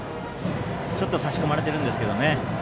ちょっと差し込まれていますけど。